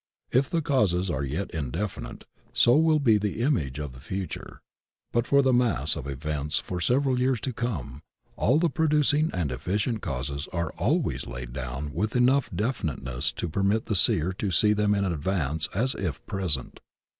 If the causes are yet indefinite, so will be the images of the future. But for the mass of events for several years to come all the producing and efficient causes are always laid down with enough definiteness to permit the seer to see them in advance as if present.